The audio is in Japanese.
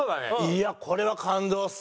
いやこれは感動っす。